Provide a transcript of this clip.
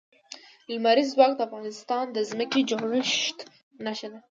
لمریز ځواک د افغانستان د ځمکې د جوړښت نښه ده.